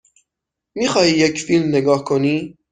می خواهی یک فیلم نگاه کنی؟